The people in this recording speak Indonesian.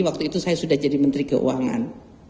waktu itu saya sudah jadi menteri keuangan